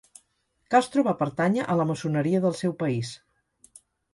Castro va pertànyer a la Maçoneria del seu país.